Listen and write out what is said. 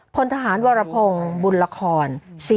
พลทหารวรพงศ์บุญละคร